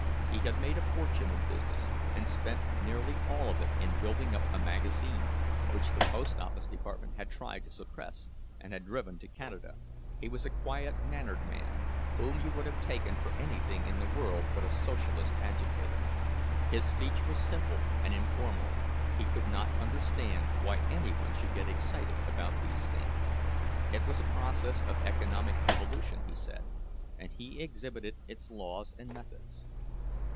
He had made a fortune in business, and spent nearly all of it in building up a magazine, which the post office department had tried to suppress, and had driven to Canada. He was a quiet mannered man, whom you would have taken for anything in the world but a Socialist agitator. His speech was simple and informal—he could not understand why any one should get excited about these things. It was a process of economic evolution, he said, and he exhibited its laws and methods.